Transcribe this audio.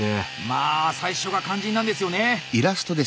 まあ最初が肝心なんですよね。